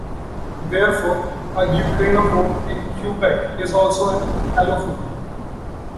Therefore, a Ukrainophone in Quebec is also an allophone.